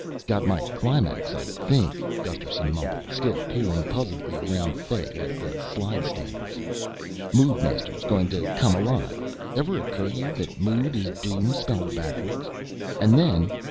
"Got my climax, I think," Gusterson mumbled, still peering puzzledly around Fay at the slidestanders. "Moodmaster's going to come alive. Ever occur to you that 'mood' is 'doom' spelled backwards? And then...."